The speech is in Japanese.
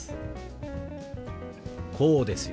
こうですよ。